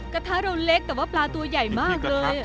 กระทะเราเล็กแต่ว่าปลาตัวใหญ่มากเลย